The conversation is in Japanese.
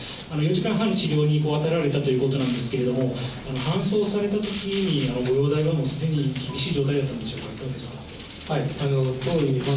４時間半の治療に当たられたということなんですけれども、搬送されたときにはご容体はもうすでに厳しい状態だったんでしょうか？